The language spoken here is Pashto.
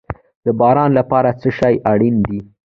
د باران لپاره څه شی اړین دي؟